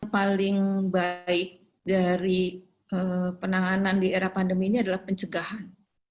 paling baik dari penanganan di era pandemi ini adalah pencegahan